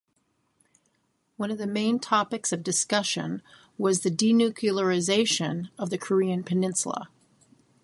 One of the main topics of discussion was the denuclearization of the Korean Peninsula.